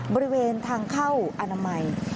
บริเวณทางเข้าอนามัย